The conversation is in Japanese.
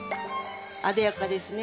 あでやかですね。